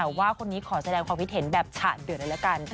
แต่ว่าคนนี้ขอแสดงความคิดเห็นแบบฉะเดือดเลยละกัน